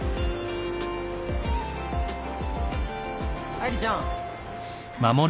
・愛梨ちゃん。